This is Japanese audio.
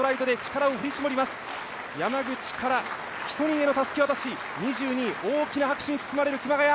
山口からたすき渡し、２２位、大きな拍手に包まれる熊谷。